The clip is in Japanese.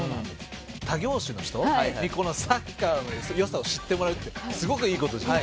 他業種の人にこのサッカーの良さを知ってもらうってすごくいい事じゃん。